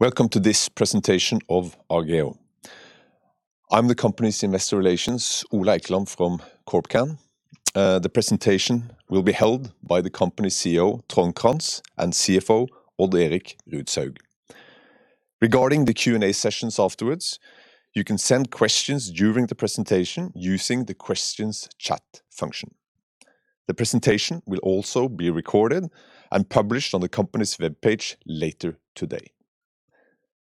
Welcome to this presentation of Argeo. I'm the company's investor relations, Ole Eikeland from CorpCan. Uh, the presentation will be held by the company CEO, Trond Crantz, and CFO, Odd Erik Rudshaug. Regarding the Q&A sessions afterwards, you can send questions during the presentation using the questions chat function. The presentation will also be recorded and published on the company's webpage later today.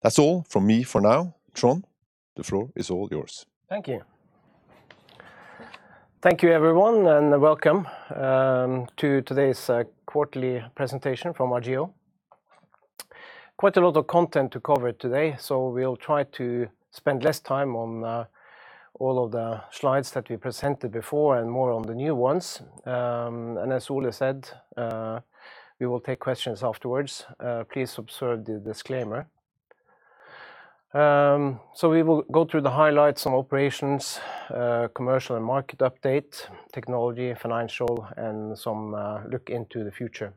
That's all from me for now. Trond, the floor is all yours. Thank you everyone. Welcome to today's quarterly presentation from Argeo. Quite a lot of content to cover today, so we'll try to spend less time on all of the slides that we presented before and more on the new ones. As Ole Eikeland said, we will take questions afterwards. Please observe the disclaimer. We will go through the highlights on operations, commercial and market update, technology, financial, and some look into the future.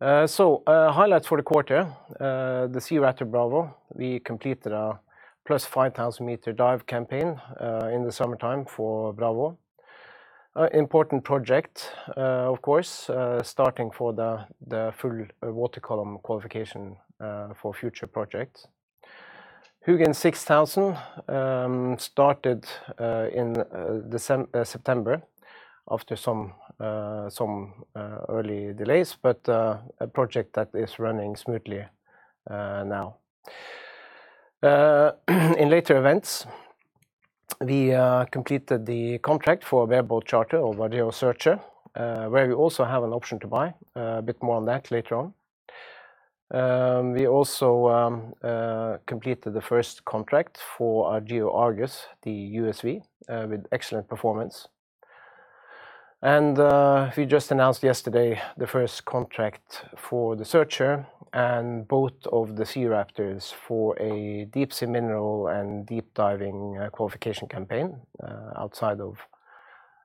Highlights for the quarter. The SeaRaptor Bravo, we completed a 5,000+ meter dive campaign in the summertime for Bravo. Important project, of course, starting for the full water column qualification for future projects. Hugin 6000 started in September after some early delays, a project that is running smoothly now. In later events, we completed the contract for a bareboat charter of Argeo Searcher, where we also have an option to buy. A bit more on that later on. We also completed the first contract for our Argeo Argus, the USV, with excellent performance. We just announced yesterday the first contract for the Searcher and both of the SeaRaptors for a deep sea mineral and deep diving qualification campaign outside of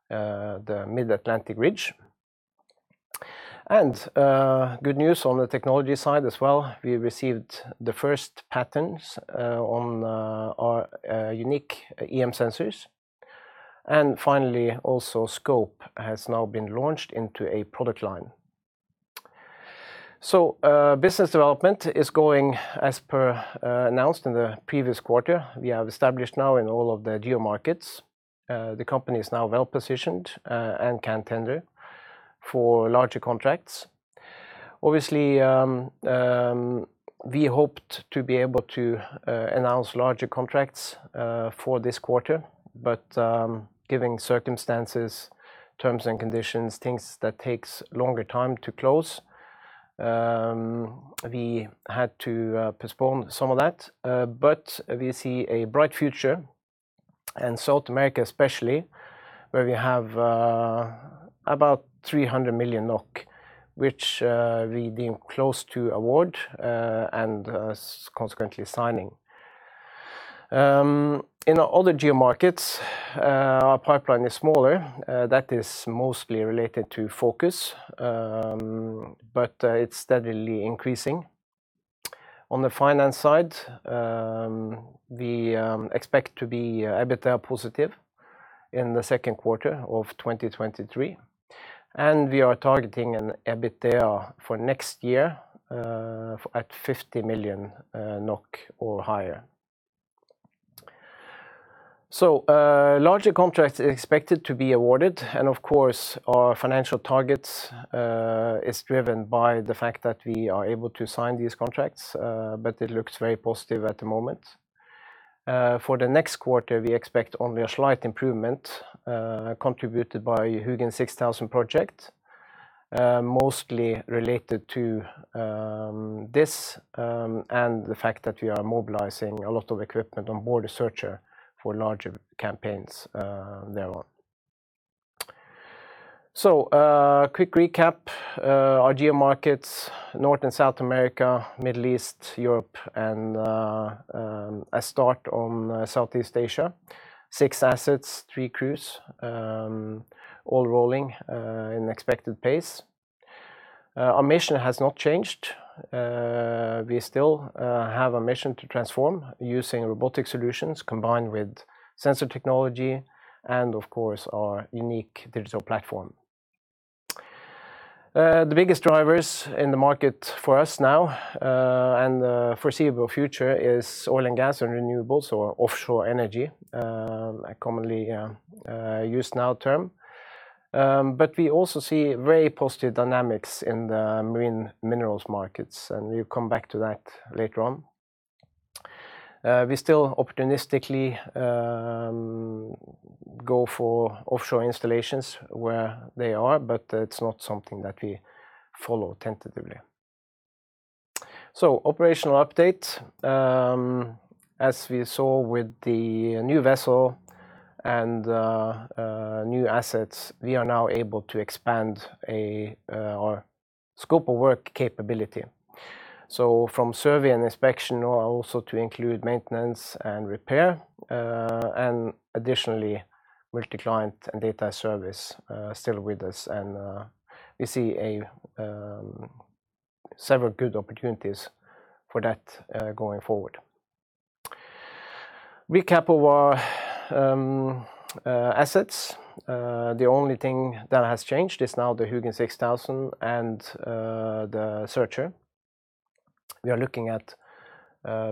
the Mid-Atlantic Ridge. Good news on the technology side as well. We received the first patents on our unique EM sensors. Finally, also Scope has now been launched into a product line. Business development is going as per announced in the previous quarter. We have established now in all of the Geo markets. The company is now well-positioned and can tender for larger contracts. Obviously, we hoped to be able to announce larger contracts for this quarter, but given circumstances, terms and conditions, things that takes longer time to close, we had to postpone some of that. We see a bright future in South America especially, where we have about 300 million NOK, which we deem close to award and consequently signing. In our other geo markets, our pipeline is smaller. That is mostly related to focus, but it's steadily increasing. On the finance side, we expect to be EBITDA positive in the second quarter of 2023. We are targeting an EBITDA for next year at 50 million NOK or higher. Larger contracts are expected to be awarded. Of course, our financial targets is driven by the fact that we are able to sign these contracts, but it looks very positive at the moment. For the next quarter, we expect only a slight improvement, contributed by Hugin 6000 project, mostly related to this and the fact that we are mobilizing a lot of equipment on board the Searcher for larger campaigns there on. Quick recap. Argeo markets, North and South America, Middle East, Europe, and a start on Southeast Asia. Six assets, three crews, all rolling in expected pace. Our mission has not changed. We still have a mission to transform using robotic solutions combined with sensor technology and of course our unique digital platform. The biggest drivers in the market for us now and the foreseeable future is oil and gas and renewables or offshore energy, a commonly used now term. We also see very positive dynamics in the marine minerals markets, and we'll come back to that later on. We still opportunistically go for offshore installations where they are, but it's not something that we follow tentatively. Operational update. As we saw with the new vessel and new assets, we are now able to expand our scope of work capability. From survey and inspection also to include maintenance and repair, and additionally multi-client and data service, still with us and we see several good opportunities for that going forward. Recap of our assets. The only thing that has changed is now the Hugin 6000 and the Searcher. We are looking at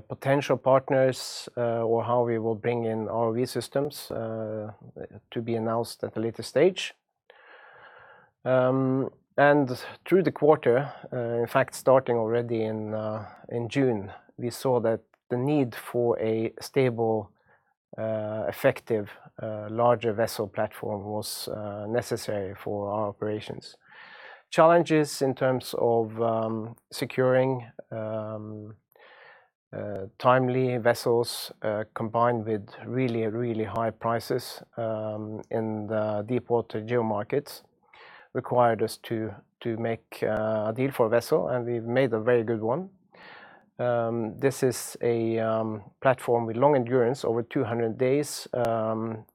potential partners or how we will bring in ROV systems to be announced at a later stage. Through the quarter, in fact, starting already in June, we saw that the need for a stable, effective, larger vessel platform was necessary for our operations. Challenges in terms of securing timely vessels combined with really high prices in the deep-water Geo markets required us to make a deal for a vessel, and we made a very good one. This is a platform with long endurance, over 200 days,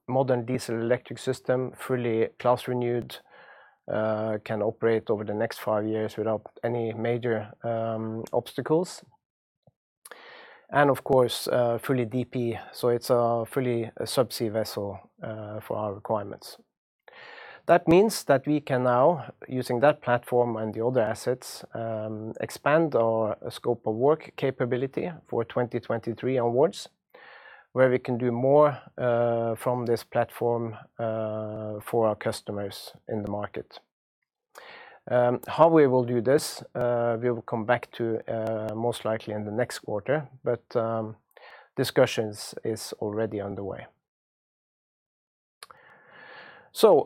modern diesel-electric system, fully class renewed, can operate over the next five years without any major obstacles. Of course, fully DP. It's a fully subsea vessel for our requirements. That means that we can now, using that platform and the other assets, expand our scope of work capability for 2023 onwards, where we can do more from this platform for our customers in the market. How we will do this, we will come back to, most likely in the next quarter. Discussions is already underway.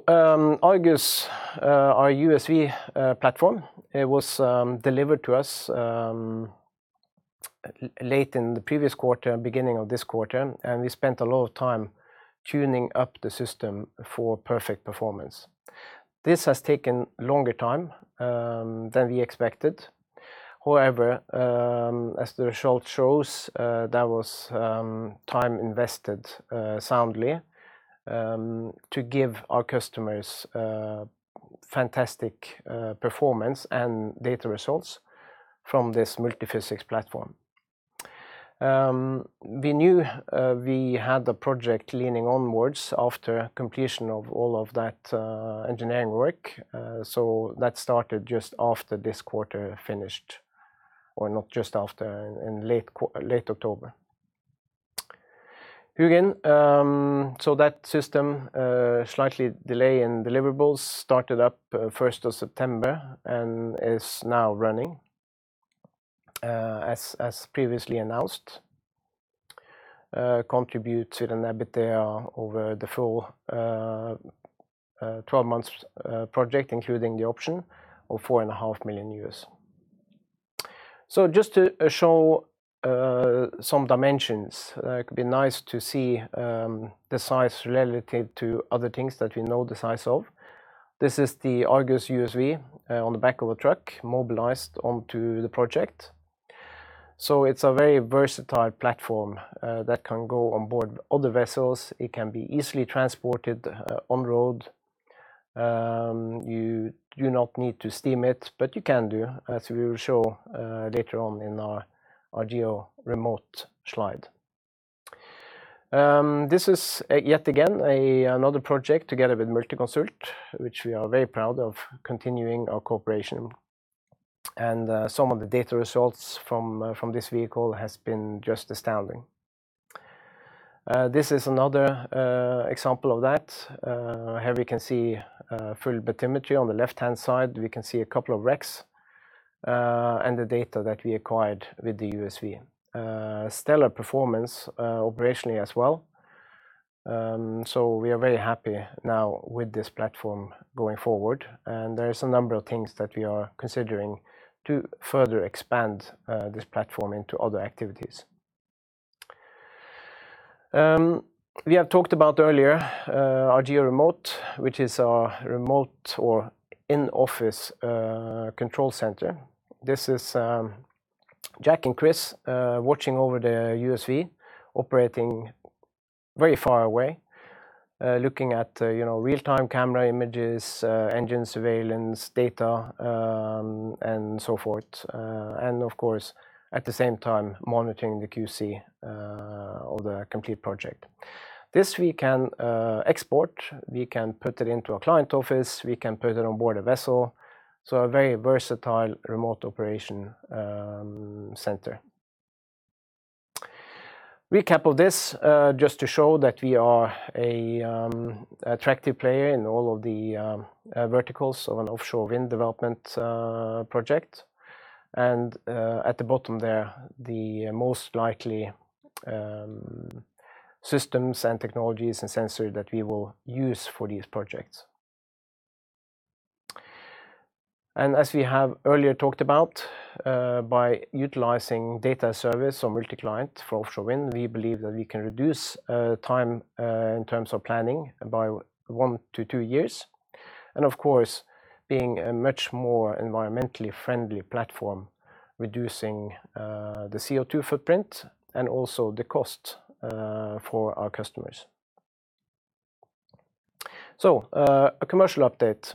Argus, our USV platform, it was delivered to us late in the previous quarter, beginning of this quarter, and we spent a lot of time tuning up the system for perfect performance. This has taken longer time than we expected. However, as the result shows, that was time invested soundly to give our customers fantastic performance and data results from this multiphysics platform. We knew we had the project leaning onwards after completion of all of that engineering work. That started just after this quarter finished, or not just after, in late October. Hugin, that system, slightly delay in deliverables, started up first of September and is now running. As previously announced, contributes to an EBITDA over the full 12 months project, including the option of $4.5 million. Just to show some dimensions, it could be nice to see the size relative to other things that we know the size of. This is the Argus USV on the back of a truck, mobilized onto the project. It's a very versatile platform that can go on board other vessels. It can be easily transported on road. You do not need to steam it, but you can do, as we will show later on in our Argeo Remote slide. This is yet again another project together with Multiconsult, which we are very proud of continuing our cooperation. Some of the data results from this vehicle has been just astounding. This is another example of that. Here we can see full bathymetry on the left-hand side. We can see a couple of wrecks and the data that we acquired with the USV. Stellar performance operationally as well. We are very happy now with this platform going forward. There is a number of things that we are considering to further expand this platform into other activities. We have talked about earlier our GeoRemote, which is our remote or in-office control center. This is Jack and Chris watching over the USV operating very far away, looking at, you know, real-time camera images, engine surveillance data, and so forth, of course, at the same time, monitoring the QC or the complete project. This we can export, we can put it into a client office, we can put it on board a vessel. A very versatile remote operation center. Recap of this, just to show that we are a attractive player in all of the verticals of an offshore wind development project. At the bottom there, the most likely systems and technologies and sensors that we will use for these projects. As we have earlier talked about, by utilizing data service or multi-client for offshore wind, we believe that we can reduce time in terms of planning by one to two years. Of course, being a much more environmentally friendly platform, reducing the CO2 footprint and also the cost for our customers. A commercial update.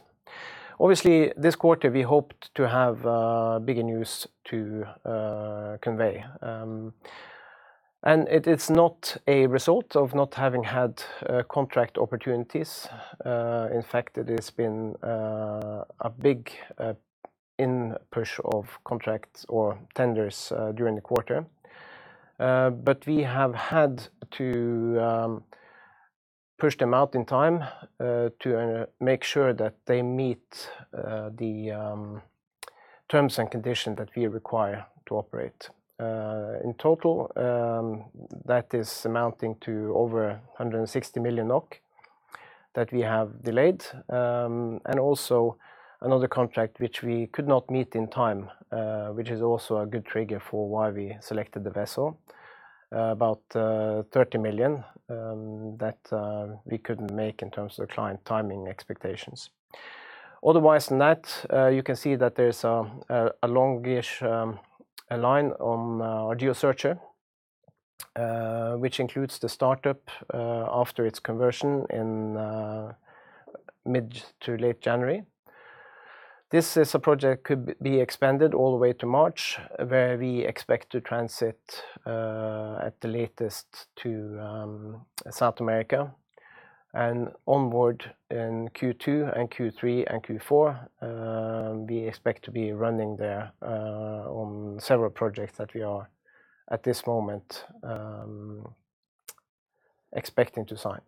Obviously, this quarter we hoped to have bigger news to convey. It's not a result of not having had contract opportunities. In fact, it has been a big in-push of contracts or tenders during the quarter. We have had to push them out in time to make sure that they meet the terms and conditions that we require to operate. In total, that is amounting to over 160 million NOK that we have delayed. Also another contract which we could not meet in time, which is also a good trigger for why we selected the vessel. About 30 million that we couldn't make in terms of client timing expectations. Otherwise than that, you can see that there is a longish line on our Argeo Searcher, which includes the startup after its conversion in mid to late January. This is a project could be expanded all the way to March, where we expect to transit at the latest to South America. Onboard in Q2 and Q3 and Q4, we expect to be running there on several projects that we are at this moment expecting to sign.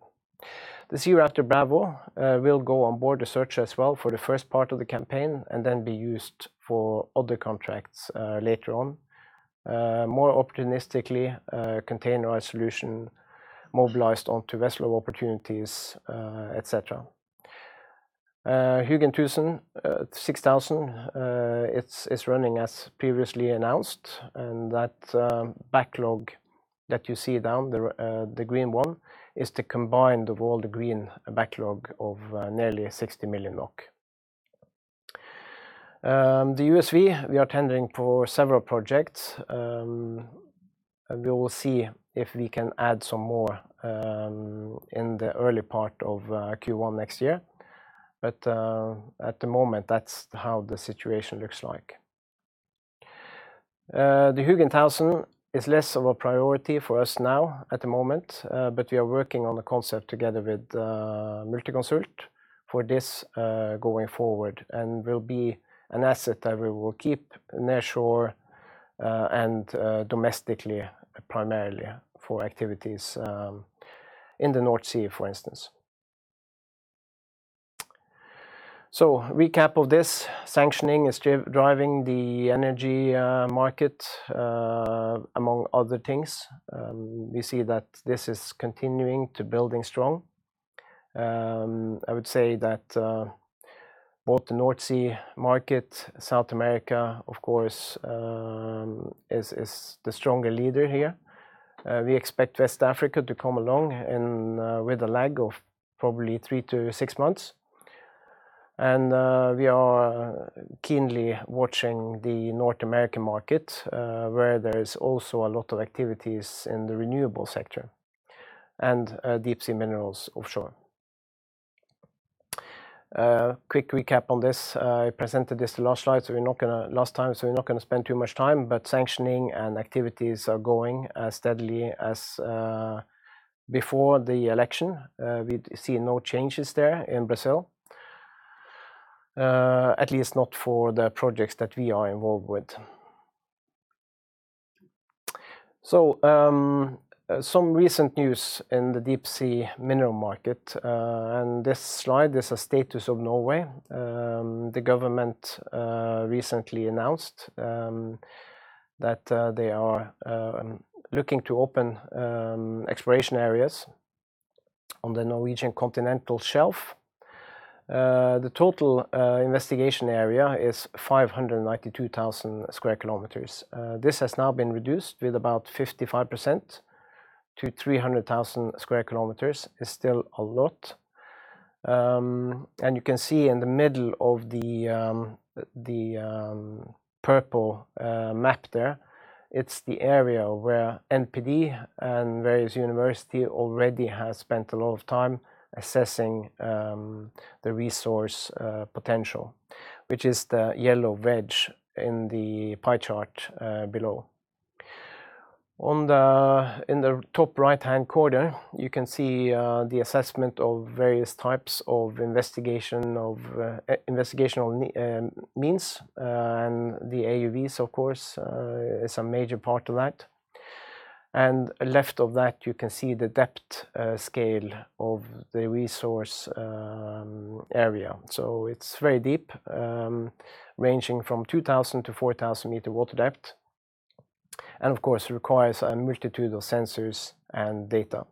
The SeaRaptor Bravo will go on board the Searcher as well for the first part of the campaign and then be used for other contracts later on. More opportunistically, containerized solution mobilized onto vessel opportunities, etc. Hugin 6000 is running as previously announced. That backlog that you see down there, the green one, is the combined total green backlog of nearly 60 million NOK. The USV, we are tendering for several projects. We will see if we can add some more in the early part of Q1 next year. At the moment, that's how the situation looks like. The Hugin 1000 is less of a priority for us now at the moment, but we are working on a concept together with Multiconsult for this going forward and will be an asset that we will keep near shore and domestically primarily for activities in the North Sea, for instance. Recap of this. Sanctioning is driving the energy market, among other things. We see that this is continuing to building strong. I would say that both the North Sea market, South America, of course, is the stronger leader here. We expect West Africa to come along with a lag of probably three to six months. We are keenly watching the North American market, where there is also a lot of activities in the renewable sector and deep sea minerals offshore. Quick recap on this. I presented this last slide last time, so we're not going to spend too much time. Sanctioning and activities are going as steadily as before the election. We see no changes there in Brazil. At least not for the projects that we are involved with. Some recent news in the deep sea mineral market. This slide is a status of Norway. The government recently announced that they are looking to open exploration areas on the Norwegian continental shelf. The total investigation area is 592,000 sq km. This has now been reduced with about 55% to 300,000 sq km. It's still a lot. You can see in the middle of the purple map there, it's the area where NPD and various universities already have spent a lot of time assessing the resource potential, which is the yellow wedge in the pie chart below. In the top right-hand corner, you can see the assessment of various types of investigational means. The AUVs, of course, is a major part of that. Left of that, you can see the depth scale of the resource area. It's very deep, ranging from 2000 m-4000 m water depth and, of course, requires a multitude of sensors and data.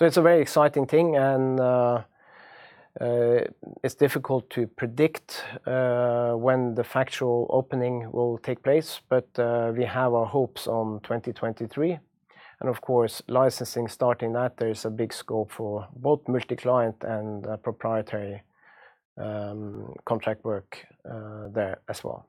It's a very exciting thing. It's difficult to predict when the factual opening will take place. We have our hopes on 2023. Of course, licensing starting that, there is a big scope for both multi-client and proprietary contract work there as well.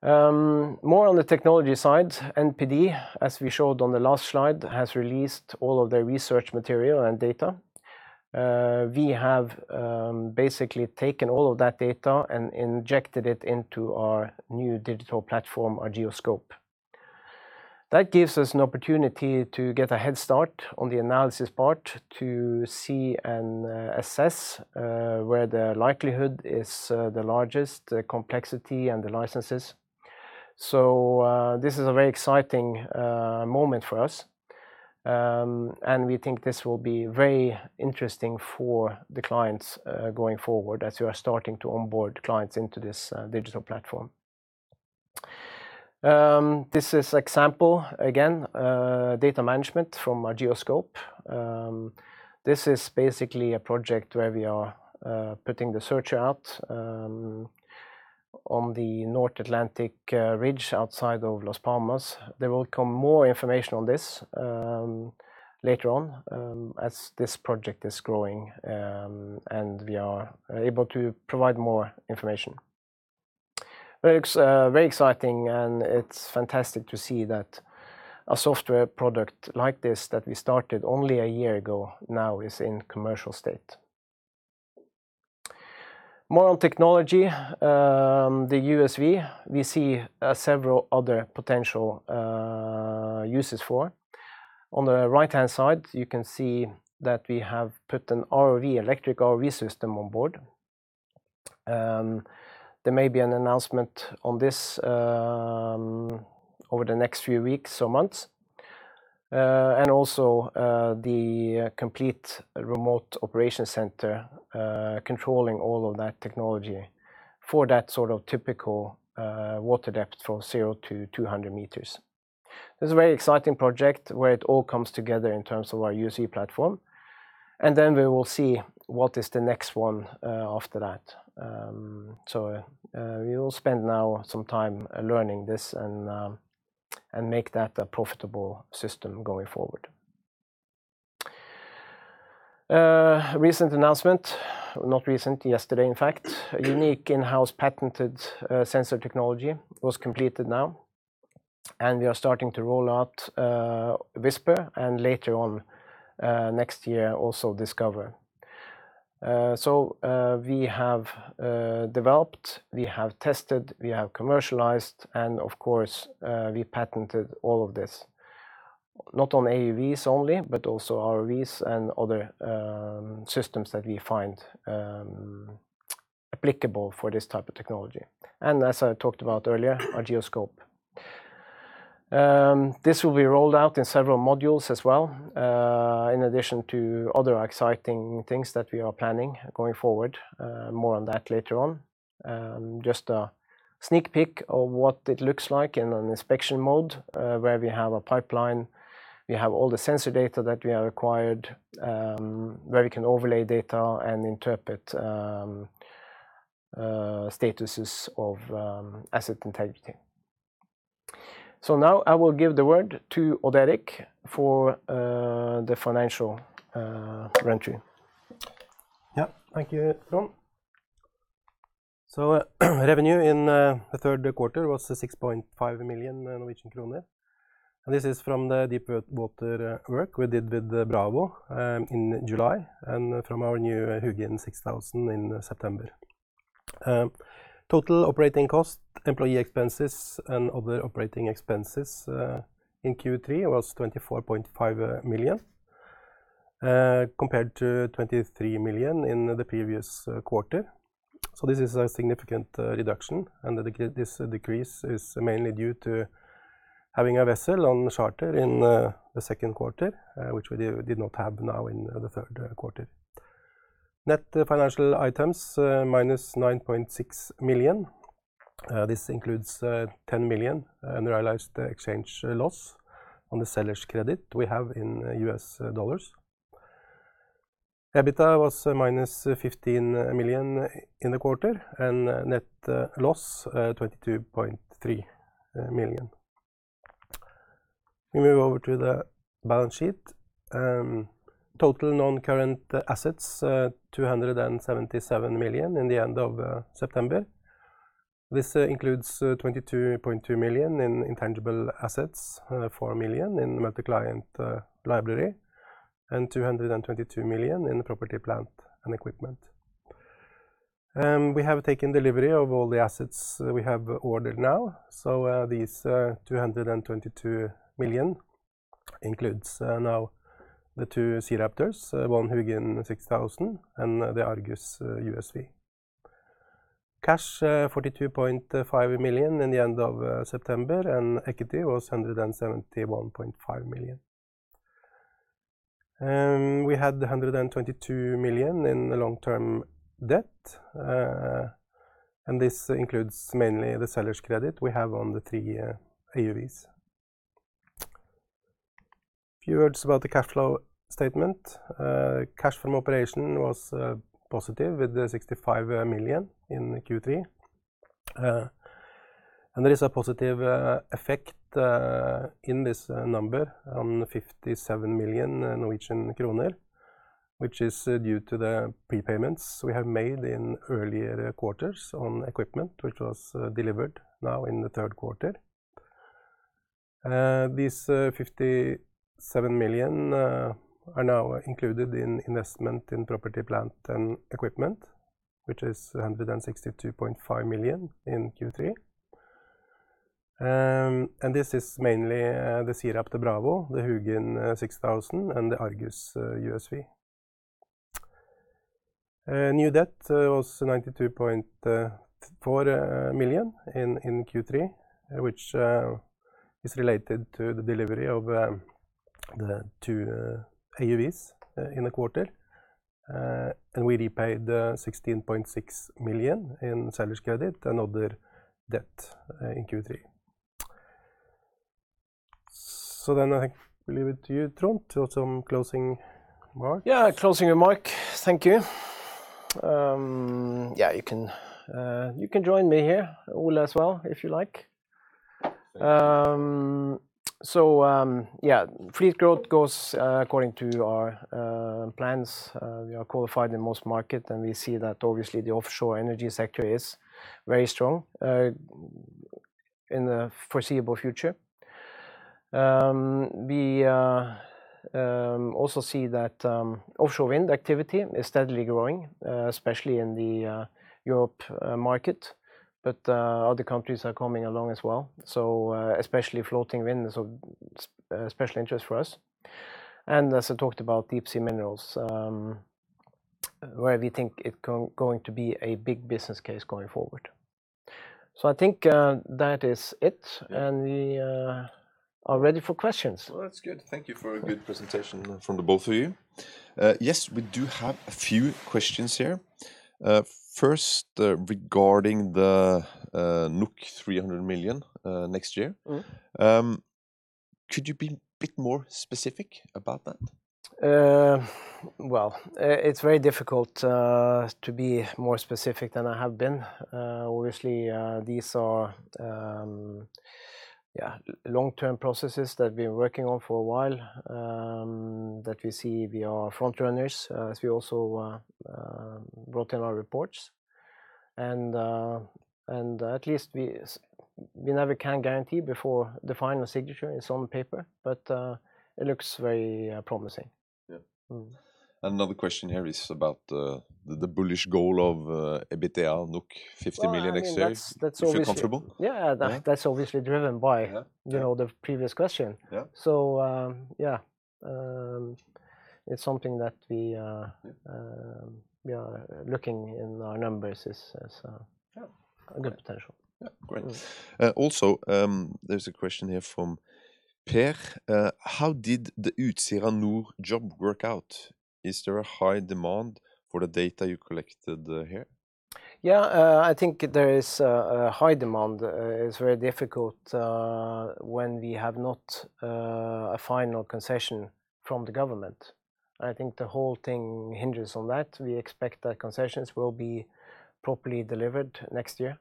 More on the technology side, NPD, as we showed on the last slide, has released all of their research material and data. We have basically taken all of that data and injected it into our new digital platform, Argeo Scope. That gives us an opportunity to get a head start on the analysis part to see and assess where the likelihood is the largest, the complexity and the licenses. This is a very exciting moment for us. We think this will be very interesting for the clients going forward as we are starting to onboard clients into this digital platform. This is example again, data management from Argeo Scope. This is basically a project where we are putting the Searcher out on the Mid-Atlantic Ridge outside of Las Palmas. There will come more information on this later on as this project is growing and we are able to provide more information. It's very exciting, and it's fantastic to see that a software product like this that we started only a year ago now is in commercial state. More on technology, the USV, we see several other potential uses for. On the right-hand side, you can see that we have put an ROV, electric ROV system on board. There may be an announcement on this over the next few weeks or months. The complete remote operation center controlling all of that technology for that sort of typical water depth from 0 m-200 m. This is a very exciting project where it all comes together in terms of our USV platform, and then we will see what is the next one after that. We will spend now some time learning this and make that a profitable system going forward. Recent announcement, not recent, yesterday in fact, a unique in-house patented sensor technology was completed now, and we are starting to roll out Whisper and later on next year also Discover. We have developed, we have tested, we have commercialized, and of course, we patented all of this. Not on AUVs only, but also ROVs and other systems that we find applicable for this type of technology. As I talked about earlier, our Argeo Scope. This will be rolled out in several modules as well, in addition to other exciting things that we are planning going forward. More on that later on. Just a sneak peek of what it looks like in an inspection mode where we have a pipeline, we have all the sensor data that we have acquired, where we can overlay data and interpret statuses of asset integrity. Now I will give the word to Odd-Erik for the financial entry. Yeah. Thank you, Trond. Revenue in the third quarter was 6.5 million Norwegian kroner. This is from the deep water work we did with the Bravo in July and from our new Hugin 6000 in September. Total operating cost, employee expenses and other operating expenses in Q3 was 24.5 million compared to 23 million in the previous quarter. This is a significant reduction, and this decrease is mainly due to having a vessel on charter in the second quarter, which we did not have now in the third quarter. Net financial items, -9.6 million. This includes 10 million unrealized exchange loss on the seller's credit we have in US dollars. EBITDA was -15 million in the quarter and net loss, 22.3 million. We move over to the balance sheet. Total non-current assets, 277 million in the end of September. This includes 22.2 million in intangible assets, 4 million in multi-client library, and 222 million in property, plant and equipment. We have taken delivery of all the assets we have ordered now. These 222 million includes now the two SeaRaptors, one Hugin 6000 and the Argus USV. Cash, 42.5 million in the end of September, and equity was 171.5 million. We had 122 million in long-term debt, and this includes mainly the seller's credit we have on the three AUVs. A few words about the cash flow statement. Cash from operation was positive with 65 million in Q3. There is a positive effect in this number on 57 million Norwegian kroner, which is due to the prepayments we have made in earlier quarters on equipment which was delivered now in the third quarter. This 57 million are now included in investment in property, plant, and equipment, which is 162.5 million in Q3. This is mainly the SeaRaptor Bravo, the Hugin 6000, and the Argus USV. New debt was 92.4 million in Q3, which is related to the delivery of the two AUVs in the quarter. We repaid 16.6 million in seller's credit and other debt in Q3. I leave it to you, Trond, to add some closing remarks. Yeah, closing remark. Thank you. Yeah, you can join me here, Ole, as well, if you like. Thank you. Yeah, fleet growth goes according to our plans. We are qualified in most market, and we see that obviously the offshore energy sector is very strong in the foreseeable future. We also see that offshore wind activity is steadily growing, especially in the Europe market. Other countries are coming along as well. Especially floating wind is of special interest for us. As I talked about, deep sea minerals, where we think it going to be a big business case going forward. I think that is it, and we are ready for questions. Well, that's good. Thank you for a good presentation from the both of you. Yes, we do have a few questions here. First regarding the 300 million next year. Mm-hmm. Could you be a bit more specific about that? Well, it's very difficult to be more specific than I have been. Obviously, these are, yeah, long-term processes that we've been working on for a while, that we see we are front runners, as we also wrote in our reports. At least we never can guarantee before the final signature is on paper, but it looks very promising. Yeah. Mm-hmm. Another question here is about the bullish goal of EBITDA 50 million next year. Well, I mean, that's obviously. You feel comfortable? Yeah. Yeah. That's obviously driven by. Yeah You know, the previous question. Yeah. Yeah. It's something that we are looking in our numbers. Yeah A good potential. Yeah. Great. Mm-hmm. Also, there's a question here from Per. How did the Utsira Nord job work out? Is there a high demand for the data you collected here? Yeah, I think there is a high demand. It's very difficult when we have not a final concession from the government. I think the whole thing hinges on that. We expect that concessions will be properly delivered next year.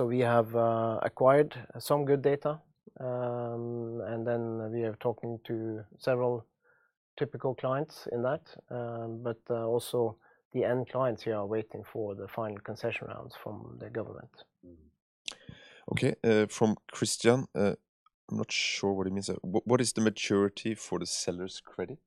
We have acquired some good data, and then we are talking to several typical clients in that. Also the end clients here are waiting for the final concession rounds from the government. Mm-hmm. Okay. From Christian, I'm not sure what he means. What is the maturity for the seller's credit?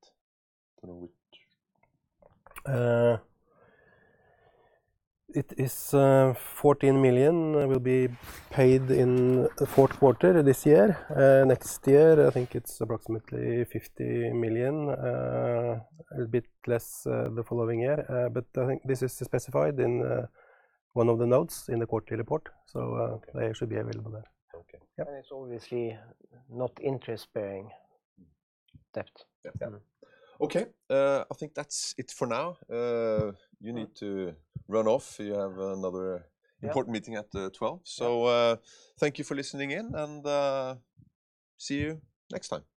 I don't know which. 14 million will be paid in the fourth quarter this year. Next year, I think it's approximately 50 million, a bit less the following year. I think this is specified in one of the notes in the quarterly report. Okay They should be available there. Okay. Yeah. It's obviously not interest-bearing debt. Yeah. Mm-hmm. Okay. I think that's it for now. You need to run off. Yeah Important meeting at 12:00 P.M. Yeah. Thank you for listening in, and see you next time.